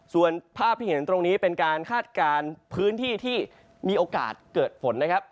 ส่วนภาพที่เห็นตรงนี้เป็นการคาดการณ์พื้นที่ที่มีโอกาสเกิดฝนนะครับ